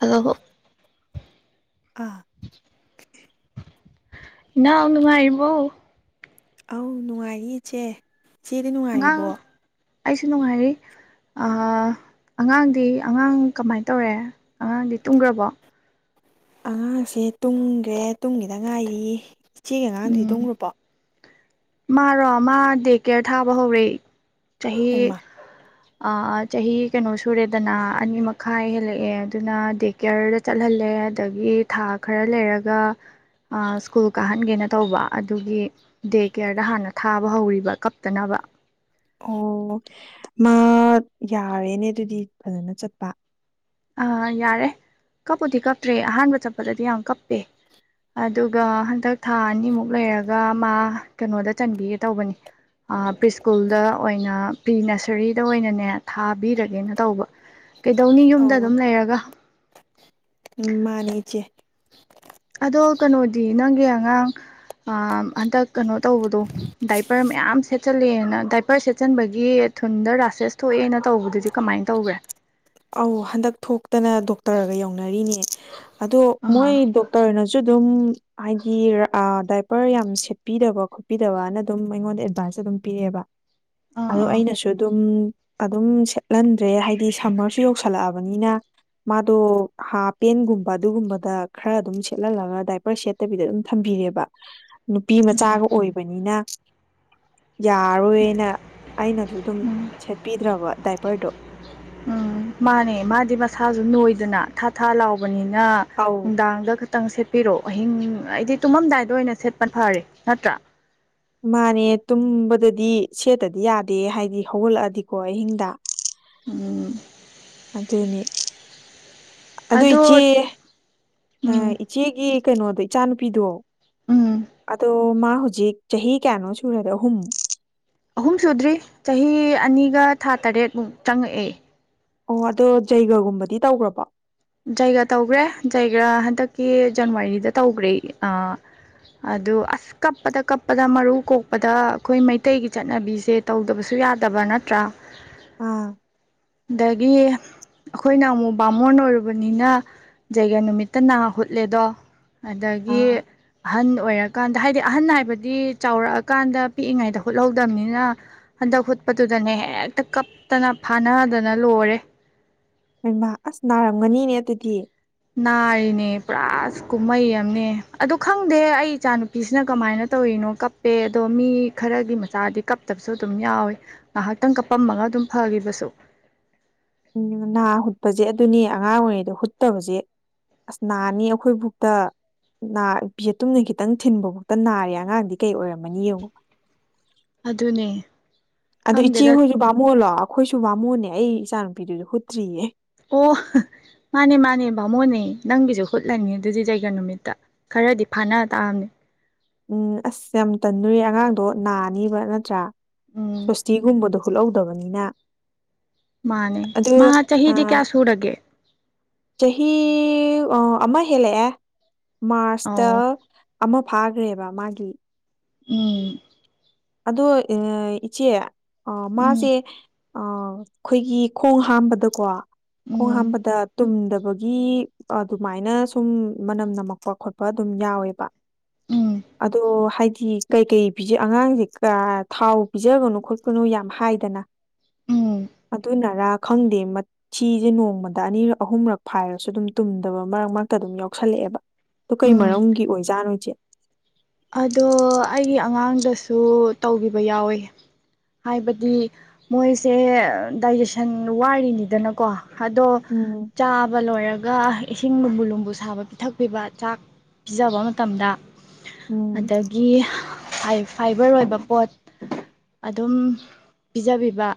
hello ꯑ ꯅꯨꯉꯥꯏꯔꯤꯕꯣ ꯑꯧ ꯅꯨꯡꯉꯥꯏꯔꯤ ꯏꯆꯦ ꯆꯦꯗꯤ ꯑꯉꯥꯡ ꯅꯨꯡꯉꯥꯏꯔꯤꯕꯣ ꯑꯩꯁꯨ ꯅꯨꯡꯉꯥꯏꯔꯤ ꯑ ꯑꯉꯥꯡꯗꯤ ꯑꯉꯥꯡ ꯀꯃꯥꯏꯅ ꯇꯧꯔꯦ ꯑꯉꯥꯡꯗꯤ ꯇꯨꯝꯈ꯭ꯔꯕꯣ ꯑꯉꯥꯡꯁꯦ ꯇꯨꯝꯈ꯭ꯔꯦ ꯇꯨꯝꯈꯤꯗ ꯉꯥꯏꯔꯤ ꯏꯆꯦꯒꯤ ꯑꯉꯥꯡꯗꯤ ꯎꯝ ꯇꯨꯝꯈ꯭ꯔꯕꯣ ꯃꯥꯔꯣ ꯃꯥ ꯗꯦꯛꯀꯦꯔ ꯊꯥꯕ ꯍꯧꯔꯦ ꯆꯍꯤ ꯅꯣꯏꯃꯥ ꯑ ꯆꯍꯤ ꯀꯩꯅꯣ ꯁꯨꯔꯦꯗꯅ ꯑꯅꯤ ꯃꯈꯥꯏ ꯍꯦꯜꯂꯛꯑꯦ ꯑꯗꯨꯅ ꯗꯦ ꯀꯦꯌꯔꯗ ꯆꯠꯍꯜꯂꯦ ꯑꯗꯒꯤ ꯊꯥ ꯈꯔ ꯂꯩꯔꯒ ꯁ꯭ꯀꯨꯜ ꯀꯥꯍꯟꯒꯦꯅ ꯇꯧꯕ ꯑꯗꯨꯒꯤ ꯗꯦ ꯀꯦꯌꯔꯗ ꯍꯥꯟꯅ ꯊꯥꯕ ꯍꯧꯔꯤꯕ ꯀꯞꯇꯥꯅꯕ ꯑꯣ ꯃꯥ ꯌꯥꯔꯦꯅꯦ ꯑꯗꯨꯗꯤ ꯐꯖꯅ ꯆꯠꯄ ꯑ ꯌꯥꯔꯦ ꯀꯞꯄꯨꯗꯤ ꯀꯞꯇ꯭ꯔꯦ ꯑꯍꯥꯟꯕ ꯆꯠꯄꯗꯗꯤ ꯌꯥꯝ ꯀꯞꯄꯦ ꯑꯗꯨꯒ ꯍꯟꯗꯛ ꯊꯥ ꯑꯅꯤꯃꯨꯛ ꯂꯩꯔꯒ ꯃꯥ ꯀꯩꯅꯣꯗ ꯆꯟꯕꯤꯒꯦ ꯇꯧꯕꯅꯤ ꯄ꯭ꯔꯤ ꯁ꯭ꯀꯨꯜꯗ ꯑꯣꯏꯅ ꯄ꯭ꯔꯤ ꯅꯁꯔꯤꯗ ꯑꯣꯏꯅꯅꯦ ꯊꯥꯕꯤꯔꯒꯦꯅ ꯇꯧꯕ ꯀꯗꯧꯅꯤ ꯌꯨꯝꯗ ꯑꯣ ꯂꯩꯔꯒ ꯎꯝ ꯃꯥꯅꯤ ꯏꯆꯦ ꯑꯗꯣ ꯀꯩꯅꯣꯗꯤ ꯅꯪꯒꯤ ꯑꯉꯥꯡ ꯍꯟꯇꯛ ꯀꯩꯅꯣ ꯇꯧꯕꯗꯣ ꯗꯥꯏꯄꯔ ꯃꯌꯥꯝ ꯁꯦꯠ ꯁꯦꯠꯆꯜꯂꯦꯅ ꯗꯥꯏꯄꯔ ꯁꯦꯠꯆꯟꯕꯒꯤ ꯊꯨꯟꯗ ꯔꯥꯁꯦꯁ ꯊꯣꯛꯑꯦꯅ ꯇꯧꯕꯗꯨꯗꯤ ꯀꯃꯥꯏꯅ ꯇꯧꯈ꯭ꯔꯦ ꯑꯧ ꯍꯟꯗꯛ ꯊꯣꯛꯇꯅ ꯗꯣꯛꯇꯔꯒ ꯌꯧꯅꯔꯤꯅꯦ ꯑꯗꯣ ꯑꯥ ꯃꯣꯏ ꯗꯣꯛꯇꯔꯅꯁꯨ ꯑꯗꯨꯝ ꯍꯥꯏꯗꯤ ꯇꯗꯥꯥꯏꯄꯔ ꯌꯥꯝ ꯁꯦꯠꯄꯤꯗꯕ ꯈꯣꯠꯄꯤꯗꯕꯅ ꯑꯗꯨꯝ ꯑꯩꯉꯣꯟꯗ ꯑꯦꯗꯚꯥꯟꯁ ꯑꯗꯨꯝ ꯄꯤꯔꯛꯑꯦꯕ ꯑꯥ ꯑꯗꯣ ꯑꯥ ꯑꯩꯅꯁꯨ ꯑꯗꯨꯝ ꯑꯗꯨꯝ ꯍꯟꯗ꯭ꯔꯦ ꯍꯥꯏꯗꯤ ꯁꯝꯃꯔ ꯇꯥꯕꯅꯤꯅ ꯃꯥꯗꯣ ꯍꯥ ꯄꯦꯟꯒꯨꯝꯕ ꯑꯗꯨꯒꯨꯝꯕꯗ ꯈꯔ ꯑꯗꯨꯝ ꯁꯦꯠꯍꯜꯂꯒ ꯗꯥꯏꯄꯔ ꯁꯦꯠꯇꯕꯤꯗ ꯑꯗꯨꯝ ꯊꯝꯕꯤꯔꯦꯕ ꯅꯨꯄꯤ ꯎꯝ ꯃꯆꯥꯒ ꯑꯣꯏꯕꯅꯤꯅ ꯌꯥꯔꯣꯏꯅ ꯑꯩꯅꯁꯨ ꯑꯗꯨꯝ ꯎꯝ ꯁꯦꯠꯄꯤꯗ꯭ꯔꯕ ꯗꯥꯏꯄꯔꯗꯣ ꯎꯝ ꯃꯥꯅꯦ ꯃꯥꯗꯤ ꯃꯁꯥꯁꯨ ꯅꯣꯏꯗꯅ ꯊꯥ ꯊꯥ ꯂꯥꯎꯕꯅꯤꯅ ꯑꯧ ꯅꯨꯡꯗꯥꯡꯗ ꯈꯤꯇꯪ ꯁꯦꯠꯄꯤꯔꯛꯑꯣ ꯑꯍꯤꯡ ꯍꯥꯏꯗꯤ ꯇꯨꯝꯃꯝꯗꯥꯏꯗ ꯑꯣꯏꯅ ꯁꯦꯠꯄ ꯐꯔꯦ ꯅꯠꯇ꯭ꯔꯥ ꯃꯥꯅꯦ ꯇꯨꯝꯕꯗꯗꯤ ꯁꯦꯠꯇꯗꯤ ꯌꯥꯗꯦ ꯍꯥꯏꯗꯤ ꯍꯧꯒꯠꯂꯛꯑꯗꯤꯀꯣ ꯑꯍꯤꯡꯗ ꯎꯝ ꯑꯗꯨꯅꯤ ꯑꯗꯣ ꯏꯆꯦ ꯎꯝ ꯑꯥ ꯏꯆꯦꯒꯤ ꯀꯩꯅꯣꯗꯣ ꯏꯆꯥ ꯅꯨꯨꯄꯤꯗꯣ ꯎꯝ ꯑꯗꯣ ꯃꯥ ꯍꯧꯖꯤꯛ ꯆꯍꯤ ꯀꯌꯥꯅꯣ ꯁꯨꯔꯦ ꯑꯍꯨꯝ ꯑꯍꯨꯝ ꯁꯨꯗ꯭ꯔꯤ ꯆꯍꯤ ꯑꯅꯤꯒ ꯊꯥ ꯇꯔꯦꯠꯃꯨꯛ ꯆꯪꯉꯛꯑꯦ ꯑꯣ ꯑꯗꯣ ꯖꯩꯒꯒꯨꯝꯕꯗꯤ ꯇꯧꯈ꯭ꯔꯕ ꯖꯥꯏꯒ꯭ꯔ ꯇꯧꯈ꯭ꯔꯦ ꯖꯥꯏꯒ꯭ꯔ ꯍꯟꯗꯛꯀꯤ ꯖꯅꯋꯥꯔꯤꯗ ꯖꯩꯒꯥ ꯇꯧꯈ꯭ꯔꯦ ꯖꯩꯒ ꯍꯟꯗꯛ ꯀꯤ ꯖꯅꯥꯋꯔꯤꯗ ꯇꯧꯈꯔꯦ ꯑꯗꯨ ꯑꯁ ꯀꯞꯄꯗ ꯀꯞꯄꯗ ꯃꯔꯨ ꯀꯣꯛꯄꯗ ꯑꯩꯈꯣꯏ ꯃꯩꯇꯩꯒꯤ ꯆꯠꯅꯕꯤꯁꯦ ꯇꯧꯗꯕꯁꯨ ꯌꯥꯗꯕꯥ ꯅꯠꯇ꯭ꯔꯥ ꯑꯥ ꯗꯒꯤ ꯑꯩꯈꯣꯏꯅ ꯑꯃꯨꯛ ꯕꯥꯃꯣꯟ ꯕꯅꯤꯅ ꯖꯩꯒ ꯅꯨꯃꯤꯠꯇ ꯅꯥ ꯍꯨꯠꯂꯦꯗꯣ ꯑꯗꯒꯤ ꯑꯥ ꯑꯍꯟ ꯑꯣꯏꯔꯛ ꯀꯀꯥꯟꯗ ꯍꯥꯏꯗꯤ ꯑꯍꯟ ꯍꯥꯏꯕꯗꯤ ꯆꯥꯎꯔꯛꯑꯀꯥꯟꯗ ꯄꯤꯛꯏꯉꯩꯗ ꯍꯨꯠꯍꯧꯗꯕꯅꯤꯅ ꯍꯟꯗꯛ ꯍꯨꯠꯄꯗꯨꯗꯅꯦ ꯍꯦꯛꯇ ꯀꯞꯇꯅ ꯐꯥꯅꯗꯅ ꯂꯣꯏꯔꯦ ꯍꯣꯏ ꯏꯃ ꯑꯁ ꯅꯥꯔꯝꯒꯅꯤꯅꯦ ꯑꯗꯨꯗꯤ ꯅꯥꯔꯤꯅꯦ ꯄꯨꯔꯥ ꯀꯨꯝꯍꯩ ꯑꯅꯦ ꯑꯗꯨ ꯈꯪꯗꯦ ꯑꯩ ꯏꯆꯥ ꯅꯨꯨꯄꯤꯁꯤꯅ ꯀꯃꯥꯏꯅ ꯇꯧꯔꯤꯅꯣ ꯀꯞꯄꯦ ꯑꯗꯣ ꯃꯤ ꯈꯔꯒꯤ ꯃꯆꯥꯗꯤ ꯀꯞꯇꯕꯁꯨ ꯑꯗꯨꯝ ꯌꯥꯎꯋꯦ ꯉꯥꯏꯍꯥꯛꯇꯪ ꯀꯞꯄꯝꯃꯒ ꯑꯗꯨꯝ ꯐꯈꯤꯕꯁꯨ ꯎꯝ ꯅꯥ ꯍꯨꯠꯄꯁꯦ ꯑꯗꯨꯅꯤ ꯑꯉꯥꯡ ꯑꯣꯏꯔꯤꯉꯩꯗ ꯍꯨꯠꯇꯕꯁꯦ ꯑꯁ ꯅꯥꯅꯤ ꯑꯩꯈꯣꯏ ꯐꯧꯇ ꯅꯥꯄꯤ ꯌꯦꯇꯨꯝꯅ ꯈꯤꯇꯪ ꯊꯤꯟꯕ ꯐꯧꯗ ꯅꯥꯔꯦ ꯑꯉꯥꯡꯗꯤ ꯀꯩ ꯑꯣꯏꯔꯝꯃꯅꯤ ꯌꯦꯉꯣ ꯑꯗꯨꯅꯦ ꯑꯗꯨ ꯏꯆꯦ ꯈꯪꯗꯦꯗ ꯍꯣꯏꯁꯨ ꯕꯥꯝꯃꯨꯟ ꯂꯣ ꯑꯩꯈꯣꯏꯁꯨ ꯕꯥꯝꯃꯣꯟꯅꯦ ꯑꯩ ꯏꯆꯥ ꯅꯨꯨꯄꯤꯗꯨꯁꯨ ꯍꯨꯠꯇ꯭ꯔꯤꯌꯦ ꯑꯣ ꯃꯥꯅꯦ ꯃꯥꯅꯦ ꯕꯥꯃꯣꯟ ꯅꯦ ꯅꯪꯒꯤꯁꯨ ꯍꯨꯠꯂꯅꯤ ꯑꯗꯨꯗꯤ ꯓꯩꯒ ꯅꯨꯃꯤꯠꯇ ꯈꯔꯗꯤ ꯐꯥꯅ ꯇꯥꯑꯝꯅꯦ ꯎꯝ ꯑꯁ ꯌꯥꯝ ꯇꯟꯅꯨꯌꯦ ꯑꯉꯥꯡꯗꯣ ꯅꯥꯅꯤꯕ ꯅꯠꯇ꯭ꯔꯥ ꯎꯝ ꯁꯣꯁꯇꯤꯒꯨꯝꯕꯗꯨꯣ ꯍꯨꯠꯍꯧꯗꯕꯅꯤꯅ ꯃꯥꯅꯦ ꯑꯗꯨ ꯃꯥ ꯑ ꯆꯍꯤꯗꯤ ꯀꯌꯥ ꯁꯨꯔꯒꯦ ꯆꯍꯤ ꯑꯃ ꯍꯦꯜꯂꯛꯑꯦ ꯃꯥꯔꯁꯇ ꯑꯧ ꯑꯃ ꯐꯥꯒ꯭ꯔꯦꯕ ꯃꯥꯒꯤ ꯎꯝ ꯑꯗꯣ ꯏꯆꯦ ꯑ ꯎꯝ ꯃꯥꯁꯦ ꯑ ꯑꯩꯈꯣꯏꯒꯤ ꯈꯣꯡ ꯍꯥꯝꯕꯗꯀꯣ ꯈꯣꯡ ꯎꯝ ꯍꯥꯝꯕꯗ ꯇꯨꯝꯗꯕ ꯕꯒꯤ ꯑꯗꯨꯃꯥꯏꯅ ꯁꯨꯝ ꯃꯅꯝ ꯅꯝꯃꯛꯄ ꯈꯣꯠꯄ ꯑꯗꯨꯝ ꯌꯥꯎꯋꯦꯕ ꯎꯝ ꯑꯗꯣ ꯍꯥꯏꯗꯤ ꯌꯤ ꯀꯩ-ꯀꯩ ꯄꯤꯖꯩ ꯑꯉꯥꯡꯖꯤ ꯀꯥ ꯊꯥꯎ ꯄꯤꯖꯒꯅꯨ ꯈꯣꯠꯀꯅꯨ ꯌꯥꯝ ꯍꯥꯏꯗꯅ ꯎꯝ ꯑꯗꯨꯅꯥꯔꯥ ꯈꯪꯗꯦ ꯃꯠ ꯊꯤꯖꯦ ꯅꯣꯡꯃꯗ ꯑꯅꯤꯔꯛ ꯑꯍꯨꯝꯔꯛ ꯐꯥꯏꯔꯁꯨ ꯑꯗꯨꯝ ꯇꯨꯝꯗꯕ ꯃꯔꯛ-ꯃꯔꯛꯇ ꯑꯗꯨꯝ ꯌꯥꯎꯁꯜꯂꯛꯑꯦꯕ ꯑꯗꯨ ꯀꯩ ꯎꯝ ꯃꯔꯝꯒꯤ ꯑꯣꯏꯖꯥꯠꯅꯣ ꯏꯆꯦ ꯑꯗꯣ ꯑꯩꯒꯤ ꯑꯉꯥꯡ ꯗꯁꯨ ꯇꯧꯒꯤꯕ ꯌꯥꯎꯋꯦ ꯍꯥꯏꯕꯗꯤ ꯃꯣꯏꯁꯦ ꯗꯥꯏꯖꯦꯁꯟ ꯋꯥꯔꯤꯅꯤꯗꯅꯀꯣ ꯍꯥꯗꯣ ꯎꯝ ꯆꯥꯕ ꯂꯣꯏꯔꯒ ꯏꯁꯤꯡ ꯂꯨꯝꯕꯨ-ꯂꯨꯝꯕꯨ ꯁꯥꯕ ꯄꯤꯊꯛꯄꯤꯕ ꯇꯥꯛ ꯄꯤꯖꯕ ꯃꯇꯝꯗ ꯎꯝ ꯑꯥꯗꯒꯤ ꯐꯥꯏ-ꯐꯥꯏꯕꯔ ꯑꯣꯏꯕ ꯄꯣꯠ ꯑꯗꯨꯝ ꯄꯤꯖꯕꯤ [unintelligible]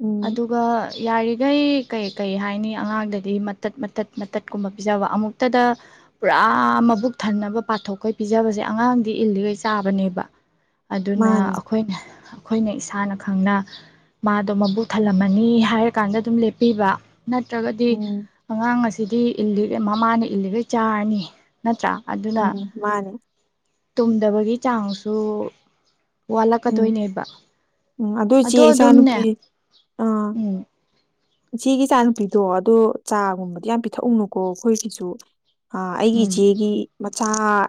ꯎꯝ ꯑꯗꯨꯒ ꯌꯥꯔꯤꯈꯩ ꯀꯩ-ꯀꯩ ꯍꯥꯏꯅꯤ ꯑꯉꯥꯡꯗꯗꯤ ꯃꯇꯠ-ꯃꯇꯠ- ꯃꯇꯠ ꯀꯨꯝꯕ ꯄꯤꯖꯕ ꯑꯃꯨꯛꯇꯗ ꯄꯨꯔꯥ ꯃꯕꯨꯛ ꯊꯟꯅꯕ ꯄꯥꯊꯣꯛꯈꯩ ꯄꯤꯖꯕꯁꯦ ꯑꯉꯥꯡꯗꯤ ꯏꯜꯂꯤꯒꯩ ꯆꯥꯕꯅꯦꯕ ꯑꯗꯨꯅ ꯃꯥꯅꯤ ꯑꯈꯣꯏꯅ ꯑꯩꯈꯣꯏꯅ ꯏꯁꯥꯅ ꯈꯪꯅ ꯃꯥꯗꯣ ꯃꯕꯨꯛ ꯊꯜꯂꯝꯃꯅꯤ ꯍꯥꯏꯔꯀꯥꯟꯗ ꯑꯗꯨꯝ ꯂꯦꯞꯄꯤꯕ ꯅꯠꯇ꯭ꯔꯥꯒꯗꯤ ꯎꯝ ꯑꯉꯥꯡ ꯑꯁꯤꯗꯤ ꯏꯜꯂꯤꯒꯩ ꯃꯃꯥꯅ ꯏꯜꯒꯩ ꯆꯥꯔꯥꯅꯤ ꯅꯤ ꯅꯠꯇ꯭ꯔꯥ ꯑꯗꯨꯅ ꯎꯝ ꯃꯥꯅꯤ ꯇꯨꯝꯗꯕꯒꯤ ꯆꯥꯡꯁꯨ ꯎꯝ ꯋꯥꯠꯂꯛꯀꯥꯗꯣꯏꯅꯦꯕ ꯎꯝ ꯑꯗꯨ ꯑꯗꯣ ꯏꯆꯦ ꯑꯗꯨꯝꯅꯦ ꯏꯆꯥꯅꯨꯄꯤ ꯑꯥ ꯎꯝ ꯏꯆꯦꯒꯤ ꯏꯆꯥꯅꯨꯄꯤꯗꯣ ꯑꯗꯣ ꯆꯥꯒꯨꯝꯕꯗꯤ ꯌꯥꯝ ꯄꯤꯊꯛꯎꯅꯨꯀꯣ ꯑꯩꯈꯣꯏꯒꯤꯁꯨ ꯑ-ꯑꯩꯒꯤ ꯎꯝ ꯏꯆꯦꯒꯤ ꯃꯠ ꯑꯥ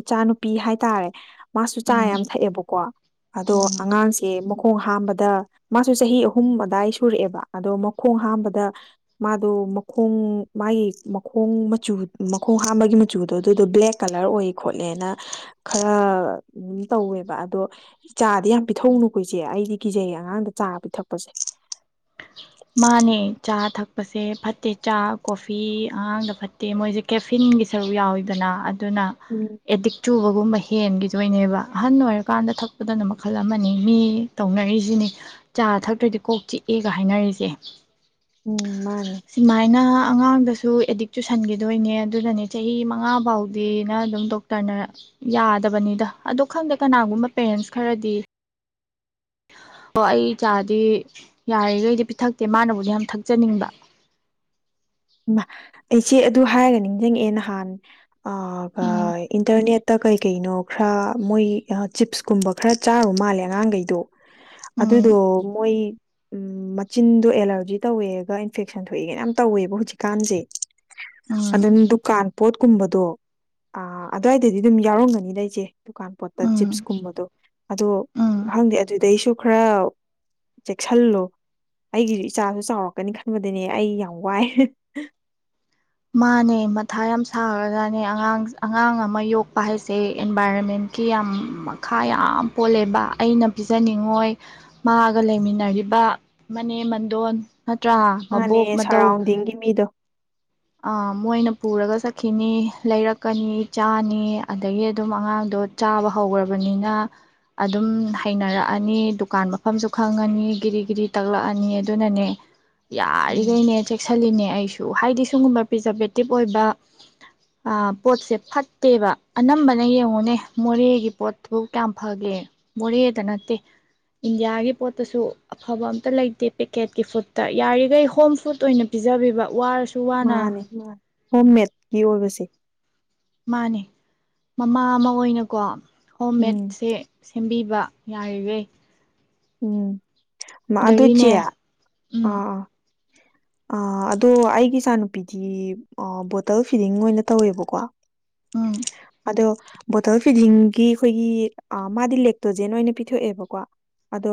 ꯏꯆꯥꯅꯨꯄꯤ ꯍꯥꯏꯇꯥꯔꯦ ꯃꯥꯁꯨ ꯆꯥ ꯎꯝ ꯌꯥꯝ ꯊꯛꯑꯦꯕꯀꯣ ꯑꯗꯣ ꯎꯝ ꯑꯉꯥꯡꯁꯦ ꯃ ꯃꯈꯣꯡ ꯍꯥꯝꯕꯗ ꯃꯥꯁꯨ ꯆꯍꯤ ꯑꯍꯨꯝ ꯑꯗꯥꯏ ꯁꯨꯔꯛꯑꯦꯕ ꯑꯗꯣ ꯃꯈꯣꯡ ꯍꯥꯝꯕꯗ ꯃꯥꯗꯣ ꯃꯈꯣꯡ ꯃꯥꯒꯤ ꯃꯈꯣꯡ ꯃꯆꯨ ꯃꯈꯣꯡ ꯍꯥꯝꯕꯒꯤ ꯃꯆꯨꯗꯣ ꯑꯗꯨꯗꯣ ꯕ꯭ꯂꯦꯛ ꯀꯥꯂ꯭ꯔ ꯑꯣꯏ ꯈꯣꯠꯂꯦꯅ ꯈꯔ ꯑꯗꯨꯝ ꯇꯧꯋꯦꯕ ꯑꯗꯣ ꯆꯥꯗꯤ ꯌꯥꯝ ꯄꯤꯊꯛꯅꯨꯀꯣ ꯏꯆꯦ ꯑꯩꯗꯤ ꯀꯤꯖꯩ ꯑꯉꯥꯡꯗ ꯆꯥ ꯄꯤꯊꯛꯄꯁꯦ ꯃꯥꯅꯦ ꯆꯥ ꯊꯛꯄꯁꯦ ꯐꯠꯇꯦ ꯆꯥ ꯀꯣꯐꯤ ꯑꯉꯥꯡꯗ ꯐꯠꯇꯦ ꯃꯣꯏꯖꯦ ꯀꯦꯐꯤꯟꯒꯤ ꯁꯔꯨꯛ ꯌꯥꯎꯋꯤꯗꯅ ꯑꯗꯨꯅ ꯎꯝ ꯑꯦꯗꯤꯛ ꯆꯨꯕꯒꯨꯝꯕꯃꯩ ꯍꯦꯟꯈꯤꯗꯣꯏꯅꯦꯕ ꯑꯍꯟ ꯑꯣꯏꯔꯀꯥꯟꯗ ꯊꯛꯄꯗꯅ ꯃꯈꯜ ꯑꯃꯅꯤ ꯃꯤ ꯇꯧꯅꯔꯤꯖꯤꯅꯤ ꯆꯥ ꯊꯛꯇ꯭ꯔꯗꯤ ꯀꯣꯛ ꯆꯤꯛ ꯑꯦꯒ ꯍꯥꯏꯅꯔꯤꯖꯦ ꯎꯝ ꯃꯥꯅꯦ ꯁꯨꯃꯥꯏꯅ ꯑꯉꯥꯡꯗꯁꯨ ꯑꯦꯗꯤꯛ ꯆꯨꯁꯟꯈꯤꯗꯣꯏꯅꯦ ꯑꯗꯨꯅꯅꯦ ꯆꯍꯤ ꯃꯉꯥ ꯐꯥꯎꯗꯤꯅ ꯑꯗꯨꯝ ꯗꯣꯛꯇꯔꯅ ꯌꯥꯗꯕꯅꯤꯗ ꯑꯗꯣ ꯈꯪꯗꯦ ꯀꯅꯥꯒꯨꯝꯕ ꯄꯦꯔꯦꯟꯁ ꯈꯔꯗꯤ ꯑꯣ ꯑꯩ ꯏꯆꯥꯗꯤ ꯌꯥꯔꯤꯈꯩꯗꯤ ꯄꯤꯊꯛꯇꯦ ꯃꯥꯅꯕꯨꯗꯤ ꯌꯥꯝ ꯊꯛꯆꯅꯤꯡꯕ ꯑꯩꯆꯦ ꯑꯗꯨ ꯍꯥꯏꯔꯒ ꯅꯤꯡꯁꯤꯡꯉꯛꯑꯦ ꯅꯍꯥꯟ ꯑ ꯎꯝ ꯏꯟꯅꯤ ꯇ ꯀꯩ ꯀꯩꯅꯣ ꯈꯔ ꯃꯣꯏ ꯆꯤꯞꯁ ꯀꯨꯝꯕ ꯈꯔ ꯆꯥꯔꯨ ꯃꯥꯜꯂꯦ ꯑꯉꯥꯡꯈꯩꯗꯣ ꯑꯗꯨꯗꯣ ꯎꯝ ꯃꯣꯏ ꯎꯝ ꯃꯆꯤꯟꯗꯣ ꯑꯦꯂꯔꯖꯤ ꯇꯧꯋꯦꯒ ꯏꯟꯐꯦꯛꯁꯟ ꯊꯣꯛꯑꯦꯒꯅ ꯌꯥꯝ ꯇꯧꯋꯦꯕ ꯍꯧꯖꯤꯛ ꯀꯥꯟꯖꯦ ꯑ ꯎꯝ ꯗꯨꯀꯥꯟ ꯄꯣꯠ ꯀꯨꯝꯕꯗꯣ ꯑ ꯑꯗꯨꯋꯥꯏꯗꯗꯤ ꯑꯗꯨꯝ ꯌꯥꯎꯔꯝꯒꯅꯤ ꯂꯩ ꯑꯩꯁꯦ ꯗꯨꯀꯥꯟ ꯄꯣꯠꯇ ꯎꯝ ꯆꯤꯞꯁꯀꯨꯝꯕꯗꯣ ꯑꯗꯣ ꯎꯝ ꯈꯪꯗꯦ ꯑꯗꯨꯗꯩꯁꯨ ꯈꯔ ꯆꯦꯛꯁꯤꯜꯂꯨ ꯑꯩꯒꯤꯁꯨ ꯏꯆꯥꯁꯨ ꯆꯥꯎꯔꯛꯀꯅꯤ ꯈꯟꯕꯗꯅꯦ ꯑꯩ ꯌꯥꯝ ꯋꯥꯏ ꯍꯝ ꯃꯥꯅꯦ ꯃꯊꯥ ꯌꯥꯝ ꯁꯥꯔꯒꯅꯦ ꯑꯉꯥꯡ ꯑꯉꯥꯡ ꯑꯃ ꯌꯣꯛꯄ ꯍꯥꯏꯁꯦ ꯏꯟꯚꯥꯏꯔꯣꯟꯃꯦꯟꯀꯤ ꯌꯥꯝ ꯃꯈꯥ ꯌꯥꯝ ꯄꯣꯜꯂꯦꯕ ꯑꯩꯅ ꯄꯤꯖꯅꯤꯡꯉꯣꯏ ꯃꯥꯒ ꯂꯩꯃꯤꯟꯅꯔꯤꯕ ꯃꯅꯦꯝ ꯃꯟꯗꯣꯟ ꯅꯠꯇ꯭ꯔꯥ ꯃꯥꯅꯦ ꯃꯕꯣꯛ ꯃꯇꯧ ꯁꯔꯥꯎꯟꯗꯤꯡꯒꯤ ꯃꯤꯗꯣ ꯃꯣꯏꯅ ꯄꯨꯔꯒ ꯆꯠꯈꯤꯅꯤ ꯂꯩꯔꯛꯀꯅꯤ ꯆꯥꯅꯤ ꯑꯗꯒꯤ ꯑꯗꯨꯝ ꯑꯉꯥꯡꯗꯣ ꯆꯥꯕ ꯍꯧꯈ꯭ꯔꯕꯅꯤꯅ ꯑꯗꯨꯝ ꯍꯩꯅꯔꯛꯑꯅꯤ ꯗꯨꯀꯥꯟ ꯃꯐꯝꯁꯨ ꯈꯪꯉꯅꯤ ꯒꯤꯤꯗꯤ ꯤꯗꯤ ꯇꯛꯂꯛꯑꯅꯤ ꯑꯗꯨꯅꯅꯦ ꯎꯝ ꯌꯥꯔꯤꯈꯩꯅꯦ ꯆꯦꯛꯁꯤꯜꯂꯤꯅꯦ ꯑꯩꯁꯨ ꯍꯥꯏꯗꯤ ꯁꯒꯨꯝꯕ ꯄ꯭ꯔꯤꯖꯥꯕꯦꯇꯤꯞ ꯑꯣꯏꯕ ꯄꯣꯠꯁꯦ ꯐꯠꯇꯦꯕ ꯑꯅꯝꯕꯅ ꯌꯦꯡꯉꯨꯅꯦ ꯃꯣꯔꯦꯒꯤ ꯄꯣꯠꯇꯕꯨ ꯀꯌꯥꯝ ꯐꯒꯦ ꯃꯣꯔꯦꯗ ꯅꯠꯇꯦ ꯏꯟꯗꯤꯌꯥꯒꯤ ꯄꯣꯠꯇꯁꯨ ꯑꯐꯕ ꯑꯝꯇ ꯂꯩꯇꯦ ꯄꯦꯀꯦꯠꯀꯤ ꯐꯨꯗꯠꯇ ꯌꯥꯔꯤꯈꯩ ꯍꯣꯝ ꯐꯨꯗ ꯑꯣꯏꯅ ꯄꯤꯖꯕꯤꯕ ꯋꯥꯔꯁꯨ ꯋꯥꯅ ꯃꯥꯅꯦ ꯃꯥꯅꯤ ꯍꯣꯝꯃꯦꯗꯀꯤ ꯑꯣꯏꯕꯁꯦ ꯃꯥꯅꯦ ꯃꯃꯥ ꯑꯃ ꯑꯣꯏꯅꯀꯣ ꯍꯣꯝ ꯎꯝ ꯃꯦꯠꯁꯦ ꯁꯦꯝꯕꯤ ꯋꯥ ꯌꯥꯏꯔꯤꯕꯦ ꯎꯝ ꯑ ꯑꯗꯨ ꯆꯌꯥ ꯑ ꯎꯝ ꯑ ꯑꯗꯣ ꯑꯩꯒꯤ ꯏꯆꯥ ꯅꯨꯨꯄꯤꯗꯤ ꯕꯣꯇꯜ ꯐꯤꯗꯤꯡ ꯑꯣꯏꯅ ꯇꯧꯋꯦꯕꯀꯣ ꯎꯝ ꯑꯗꯣ ꯕꯣꯇꯜ ꯐꯤꯗꯤꯡꯒꯤ ꯑꯩꯈꯣꯏꯒꯤ ꯃꯥꯗꯤ ꯂꯦꯛꯇꯣꯖꯦꯟ ꯑꯣꯏꯅ ꯄꯤꯊꯣꯛꯑꯦꯕꯀꯣ ꯑꯗꯣ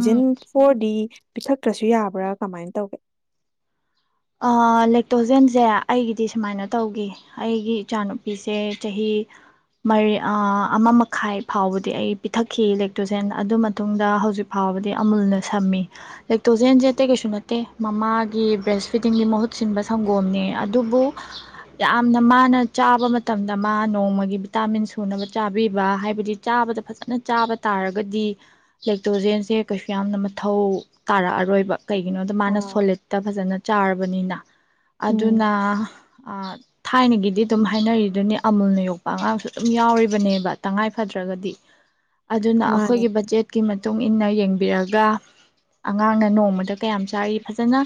ꯎꯝ ꯐꯣꯔꯗꯤ ꯄꯤꯊꯛꯇ꯭ꯔꯁꯨ ꯌꯥꯕ꯭ꯔꯥ ꯀꯃꯥꯏꯅ ꯇꯧꯒꯦ ꯂꯦꯛꯇꯣꯖꯦꯟꯁꯦ ꯑꯩꯒꯤꯗꯤ ꯁꯨꯃꯥꯏꯅ ꯇꯧꯈꯤ ꯑꯩꯒꯤ ꯏꯆꯥꯅꯨꯄꯤꯁꯦ ꯆꯍꯤꯔꯤ ꯑꯃ ꯃꯈꯥꯏ ꯐꯥꯎꯕꯗꯤ ꯑꯩ ꯄꯤꯊꯛꯈꯤ ꯂꯦꯛꯇꯣꯖꯦꯟ ꯑꯗꯨ ꯃꯇꯨꯡꯗ ꯍꯧꯖꯤꯛ ꯐꯥꯎꯕꯗꯤ ꯑꯃꯨꯜꯅ ꯁꯝꯃꯤ ꯏꯂꯦꯛꯇ꯭ꯔꯣꯖꯦꯟꯁꯦ ꯑꯇꯩ ꯀꯩꯁꯨ ꯅꯠꯇꯦ ꯃꯃꯥꯒꯤ ꯕꯦꯁ ꯐꯤꯇꯤꯡꯒꯤ ꯃꯍꯨꯠ ꯁꯤꯟꯕ ꯁꯪꯒꯣꯝꯅꯤ ꯑꯗꯨꯕꯨ ꯌꯥꯝꯅ ꯃꯥꯅ ꯆꯥꯕ ꯃꯇꯝꯗ ꯃꯥ ꯅꯣꯡꯃꯒꯤ ꯚꯤꯇꯥꯃꯤꯟ ꯁꯨꯅꯕ ꯆꯥꯕꯤꯕ ꯍꯥꯏꯕꯗꯤ ꯆꯥꯕꯗ ꯐꯖꯅ ꯆꯥꯕ ꯇꯥꯔꯒꯗꯤ ꯂꯦꯛꯇ꯭ꯔꯣꯖꯦꯟꯁꯦ ꯀꯩꯁꯨ ꯌꯥꯝꯅ ꯃꯊꯧ ꯇꯥꯔꯛꯑꯔꯣꯏꯕ ꯀꯩꯒꯤꯅꯣꯗ ꯃꯥꯅ ꯑꯥ ꯁꯣꯂꯤꯠꯇ ꯐꯖꯅ ꯄꯥꯔꯕꯅꯤꯅ ꯑꯗꯨꯅ ꯎꯝ ꯊꯥꯏꯅꯒꯤꯗꯤ ꯑꯗꯨꯝ ꯍꯥꯏꯅꯔꯤꯗꯨꯅꯦ ꯑꯃꯨꯜꯅ ꯌꯣꯛꯄ ꯑꯉꯥꯡꯁꯨ ꯑꯗꯨꯝ ꯌꯥꯎꯔꯤꯕꯅꯦꯕ ꯇꯉꯥꯏ ꯐꯗ꯭ꯔꯒꯗꯤ ꯑꯗꯨꯅ ꯑꯩꯈꯣꯏꯒꯤ ꯃꯥꯅꯦ ꯕꯖꯦꯠꯀꯤ ꯃꯇꯨꯡ ꯏꯟꯅ ꯌꯦꯡꯕꯤꯔꯒ ꯑꯉꯥꯡꯅ ꯅꯣꯡꯃꯗ ꯀꯌꯥꯝ ꯆꯥꯔꯤ ꯐꯖꯅ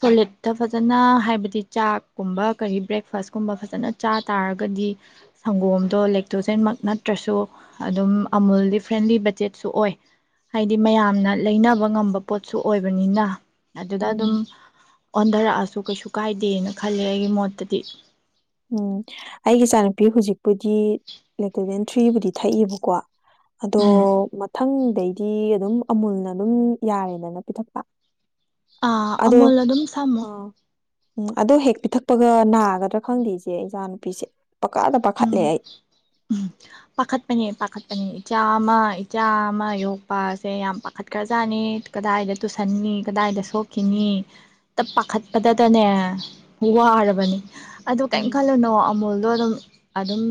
ꯁꯣꯂꯤꯠꯇ ꯐꯖꯅ ꯍꯥꯏꯕꯗꯤ ꯆꯥꯛꯀꯨꯝꯕ ꯀꯔꯤ ꯕ꯭ꯔꯦꯛꯐꯥꯁꯀꯨꯝꯕ ꯐꯖꯅ ꯆꯥ ꯇꯥꯔꯒꯗꯤ ꯁꯪꯒꯣꯝꯗꯣ ꯂꯦꯛꯇ꯭ꯔꯣꯖꯦꯟꯃꯛ ꯅꯠꯇ꯭ꯔꯁꯨ ꯑꯗꯨꯝ ꯑꯃꯨꯜꯗꯤ ꯐ꯭ꯔꯦꯟꯂꯤ ꯕꯖꯦꯠꯁꯨ ꯑꯣꯏ ꯍꯥꯏꯗꯤ ꯃꯌꯥꯝꯅ ꯂꯩꯅꯕ ꯉꯝꯕ ꯄꯣꯠꯁꯨ ꯑꯣꯏꯕꯅꯤꯅ ꯑꯗꯨꯗ ꯎꯝ ꯑꯗꯨꯝ ꯑꯣꯟꯊꯔꯛꯑꯁꯨ ꯀꯩꯁꯨ ꯀꯥꯏꯗꯦꯅ ꯈꯜꯂꯦ ꯑꯩꯒꯤ ꯃꯣꯠꯇꯗꯤ ꯎꯝ ꯑꯩꯒꯤ ꯏꯆꯥꯅꯨꯄꯤ ꯍꯧꯖꯤꯛꯄꯨꯗꯤ ꯂꯦꯛꯇꯣꯖꯦꯟ ꯊ꯭ꯔꯤꯕꯨꯗꯤ ꯊꯛꯏꯕꯀꯣ ꯑꯗꯣ ꯎꯝ ꯃꯊꯪ ꯑꯗꯩꯗꯤ ꯑꯗꯨꯝ ꯑꯃꯨꯜꯅ ꯑꯗꯨꯝ ꯌꯥꯔꯦꯅꯅ ꯄꯤꯊꯛꯄ ꯑꯥ ꯑꯗꯣ ꯑꯃꯨꯜ ꯑꯗꯨꯝ ꯁꯝꯃꯨ ꯑꯥ ꯎꯝ ꯑꯗꯣ ꯍꯦꯛ ꯄꯤꯊꯛꯄꯒ ꯅꯥꯒꯗ꯭ꯔꯥ ꯈꯪꯗꯦ ꯏꯆꯦ ꯏꯆꯥꯅꯨꯨꯄꯤꯁꯦ ꯄꯪꯄꯥꯗ ꯄꯥꯈꯠꯂꯦ ꯎꯝ ꯑꯩ ꯄꯥꯈꯠꯄꯅꯦ ꯄꯥꯈꯠꯄꯅꯤ ꯏꯆꯥ ꯑꯃ ꯏꯆꯥ ꯑꯃ ꯌꯣꯛꯄꯁꯦ ꯌꯥꯝ ꯄꯥꯈꯠꯈ꯭ꯔꯖꯥꯠꯅꯤ ꯀꯗꯥꯏꯗ ꯇꯨꯁꯟꯅꯤ ꯀꯗꯥꯏꯗ ꯁꯣꯛꯈꯤꯅꯤ ꯇꯞ ꯄꯥꯈꯠꯄꯗꯇꯅꯦ ꯋꯥꯔꯕꯅꯤ ꯑꯗꯨ ꯀꯔꯤꯝ ꯎꯝ ꯈꯜꯂꯨꯅꯣ ꯑꯃꯨꯜꯗꯣ ꯑꯗꯨꯝ ꯑꯗꯨꯝ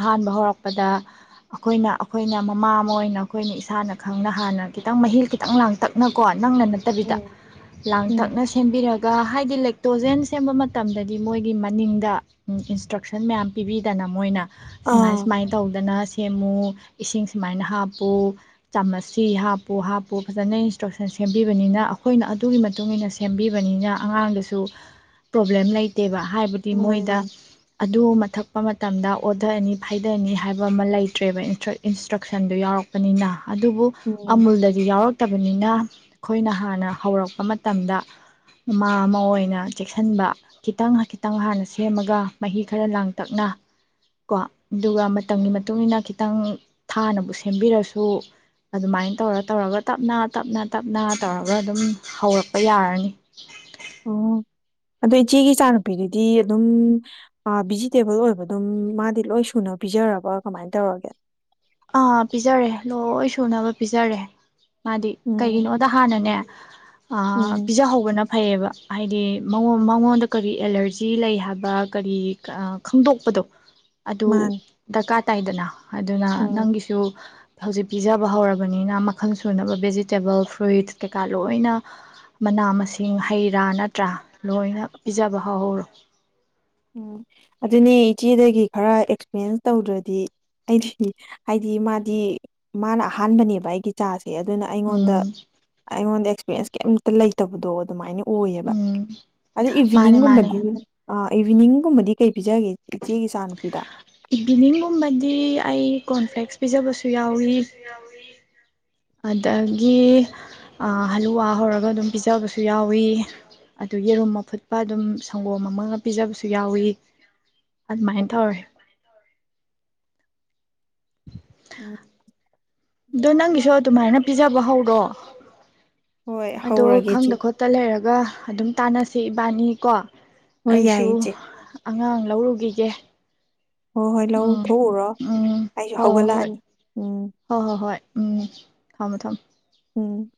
ꯑꯍꯥꯟꯕ ꯍꯧꯔꯛ ꯄꯗ ꯑꯩꯈꯣꯏꯅ ꯑꯩꯈꯣꯏꯅ ꯃꯃꯥ ꯑꯃ ꯑꯣꯏꯅ ꯑꯩꯈꯣꯏꯅ ꯏꯁꯥꯅ ꯈꯪꯅ ꯍꯥꯟꯅ ꯈꯤꯇꯪ ꯃꯍꯤ ꯈꯤꯇꯪ ꯂꯥꯡꯇꯛꯅꯀꯣ ꯅꯪꯅ ꯅꯠꯇꯕꯤꯗ ꯎꯝ ꯎꯝ ꯂꯥꯡꯇꯛꯅ ꯁꯦꯝꯕꯤꯔꯒ ꯍꯥꯏꯗꯤ ꯇꯣꯖꯦꯟ ꯁꯦꯝꯕ ꯃꯇꯝꯗꯗꯤ ꯃꯣꯏꯒꯤ ꯃꯅꯤꯡꯗ ꯏꯟꯁꯇ꯭ꯔꯛꯁꯟ ꯃꯌꯥꯝ ꯄꯤꯕꯤꯗꯅ ꯃꯣꯏꯅ ꯁꯤꯃꯥꯏ ꯑꯥ ꯁꯨꯃꯥꯏꯅ ꯇꯧꯗꯅ ꯁꯦꯝ ꯃꯨ ꯏꯁꯤꯡ ꯁꯨꯃꯥꯏꯅ ꯍꯥꯞꯄꯨ ꯆꯥꯃꯁꯁꯤ ꯍꯥꯞꯄꯨ ꯍꯥꯞꯄꯨ ꯐꯖꯅ ꯏꯟꯁꯇ꯭ꯔꯛꯁꯟ ꯁꯦꯝꯕꯤꯕꯅꯤꯅ ꯑꯩꯈꯣꯏꯅ ꯑꯗꯨꯒꯤ ꯃꯇꯨꯡ ꯏꯟꯅ ꯁꯦꯝꯕꯤꯕꯅꯤꯅ ꯑꯉꯥꯡꯗꯁꯨ ꯄ꯭ꯔꯣꯕ꯭ꯂꯦꯝ ꯂꯩꯇꯦꯕ ꯍꯥꯏꯕꯗꯤ ꯃꯥꯅꯦ ꯃꯣꯏꯗ ꯃꯥꯅꯦ ꯑꯗꯨ ꯃꯊꯛ ꯃꯇꯝꯗ ꯑꯣꯗꯔ ꯑꯅꯤ ꯍꯥꯏꯗꯅꯤ ꯍꯥꯏꯕ ꯑꯃ ꯂꯩꯇ꯭ꯔꯦꯕ ꯏꯟꯁꯇ꯭ꯔꯛꯁꯟꯗꯨ ꯌꯥꯎꯔꯛꯄꯅꯤꯅ ꯑꯗꯨꯕꯨ ꯎꯝ ꯑꯃꯨꯜꯗꯗꯤ ꯌꯥꯎꯔꯛꯇꯕꯅꯤꯅ ꯑꯩꯈꯣꯏꯅ ꯍꯥꯟꯅ ꯍꯧꯔꯛꯄ ꯃꯇꯝꯗ ꯃꯃꯥ ꯑꯃ ꯑꯣꯏꯅ ꯆꯦꯛꯁꯤꯟꯕ ꯈꯤꯇꯪ ꯈꯤꯇꯪ ꯍꯥꯟꯅ ꯁꯦꯝꯃꯒ ꯃꯍꯤ ꯈꯔ ꯂꯥꯡꯇꯛꯅ ꯀꯣ ꯑꯗꯨꯒ ꯃꯇꯝꯒꯤ ꯃꯇꯨꯡ ꯏ ꯃꯇꯨꯡꯏꯟꯅ ꯈꯤꯇꯪ ꯊꯥꯅꯕꯨ ꯁꯦꯝꯕꯤꯔꯁꯨ ꯑꯗꯨꯃꯥꯏꯅ ꯇꯧꯔ ꯇꯧꯔꯒ ꯇꯞꯅ ꯇꯞꯅ ꯇꯞꯅ ꯇꯧꯔꯒ ꯑꯗꯨꯝ ꯍꯧꯔꯛꯄ ꯌꯥꯔꯅꯤ ꯑꯣ ꯑꯗꯣ ꯏꯆꯦꯒꯤ ꯏꯆꯥꯅꯨꯄꯤꯗꯨꯗꯤ ꯑꯗꯨꯝ ꯚꯤꯖꯤꯇꯦꯕꯜ ꯑꯣꯏꯕ ꯑꯗꯨꯝ ꯃꯥꯗꯤ ꯂꯣꯏ ꯁꯨꯅ ꯄꯤꯖꯔꯕ ꯀꯃꯥꯏꯅ ꯇꯧꯔꯒꯦ ꯑꯥ ꯄꯤꯖꯔꯦ ꯂꯣꯏ ꯁꯨꯅꯕ ꯄꯤꯖꯔꯦ ꯃꯥꯗꯤ ꯎꯝ ꯀꯩꯒꯤꯅꯣꯗ ꯍꯥꯟꯅꯅꯦ ꯑ ꯎꯝ ꯄꯤꯖꯥ ꯍꯧꯕꯅ ꯐꯩꯌꯦꯕ ꯍꯥꯏꯗꯤ ꯃꯉꯣꯟꯗ ꯀꯔꯤ ꯑꯦꯂꯔꯖꯤ ꯂꯩ ꯍꯥꯏꯕ ꯀꯔꯤ ꯈꯪꯗꯣꯛꯄꯗꯣ ꯑꯗꯨ ꯃꯥꯅꯤ ꯗꯀꯔ ꯇꯥꯏꯗꯅ ꯑꯗꯨꯅ ꯎꯝ ꯅꯪꯒꯤꯁꯨ ꯍꯧꯖꯤꯛ ꯄꯤꯖꯕ ꯍꯧꯔꯕꯅꯤꯅ ꯃꯈꯜ ꯁꯨꯅꯕ ꯚꯦꯖꯤꯇꯦꯕꯜ ꯐ꯭ꯔꯨꯏꯠꯁ ꯀꯩꯀꯥ ꯂꯣꯏꯅ ꯃꯅꯥ ꯃꯁꯤꯡ ꯍꯩ ꯔꯥ ꯅꯠꯇ꯭ꯔꯥ ꯂꯣꯏꯅ ꯄꯤꯖꯕ ꯍꯧꯍꯧꯔꯣ ꯎꯝ ꯑꯗꯨꯅꯦ ꯏꯆꯦꯗꯒꯤ ꯈꯔ ꯑꯦꯛꯁꯄꯤꯔꯦꯟꯁ ꯇꯧꯗ꯭ꯔꯗꯤ ꯑꯩꯗꯤ ꯍꯥꯏꯗꯤ ꯃꯥꯗꯤ ꯃꯥꯅ ꯑꯍꯥꯟꯕꯅꯦꯕ ꯑꯩꯒꯤ ꯆꯥꯁꯦ ꯑꯗꯨꯅ ꯑꯩꯉꯣꯟꯗ ꯎꯝ ꯑꯩꯉꯣꯟꯗ ꯁ ꯀꯩꯝꯇ ꯂꯩꯇꯕꯗꯣ ꯑꯗꯨꯃꯥꯏꯅ ꯑꯣꯏꯌꯦꯕ ꯎꯝ ꯑꯗꯨ ꯃꯥꯅꯦ ꯃꯥꯅꯦ ꯏꯚꯤꯅꯤꯡꯒꯨꯝꯕꯗꯤ ꯑ ꯏꯚꯤꯅꯤꯡꯒꯨꯝꯕꯗꯤ ꯀꯩ ꯄꯤꯖꯒꯦ ꯏꯆꯦꯒꯤ ꯆꯥꯅꯨ ꯏꯚꯤꯅꯤꯡꯒꯨꯝꯕꯗꯤ ꯑꯩ ꯀꯣꯟꯐꯦꯛꯁ ꯄꯤꯖꯕꯁꯨ ꯌꯥꯎꯋꯤ ꯑꯗꯒꯤ ꯍꯂꯨꯋꯥ ꯍꯧꯔꯒ ꯑꯗꯨꯝ ꯄꯤꯖꯕꯁꯨ ꯌꯥꯎꯏ ꯑꯗꯨ ꯌꯦꯔꯨꯝ ꯑꯐꯨꯠꯄ ꯑꯗꯨꯝ ꯁꯪꯒꯣꯝ ꯑꯃꯒ ꯄꯤꯖꯕꯁꯨ ꯌꯥꯎꯏ ꯑꯗꯨꯃꯥꯏꯅ ꯇꯧꯔꯦ [unintelligible] ꯎꯝ ꯑꯗꯨ ꯅꯪꯒꯤꯁꯣ ꯑꯗꯨꯃꯥꯏꯅ ꯄꯤꯖ ꯌꯍꯧꯔꯣ ꯍꯣꯏ ꯑꯗꯣ ꯍꯧꯔꯒꯦ ꯏꯆꯦ ꯈꯪꯗ ꯈꯣꯠꯇ ꯂꯩꯔꯒ ꯑꯗꯨꯒ ꯑꯗꯨꯝ ꯇꯥꯅꯁꯦ ꯏꯕꯥꯅꯤꯀꯣ ꯍꯣꯏ ꯑꯩꯁꯨ ꯌꯥꯏꯌꯦ ꯏꯆꯦ ꯑꯉꯥꯡ ꯂꯧꯔꯨꯒꯤꯒꯦ ꯍꯣ ꯍꯣꯏ ꯂꯧ ꯊꯣꯛꯎꯔꯣ ꯑꯩꯁꯨ ꯍꯧꯒꯠꯂꯛꯑꯅꯤ ꯎꯝ ꯍꯣ ꯍꯣ ꯍꯣꯏ ꯎꯝ ꯊꯝꯃꯣ ꯊꯝꯃꯣ ꯎꯝ